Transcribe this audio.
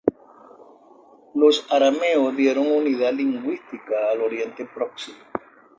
Los arameos dieron unidad lingüística al Oriente Próximo.